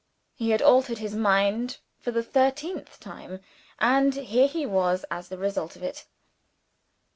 He had altered his mind for the thirteenth time and here he was as the result of it!